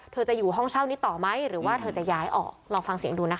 เธอจะอยู่ห้องเช่านี้ต่อไหมหรือว่าเธอจะย้ายออกลองฟังเสียงดูนะคะ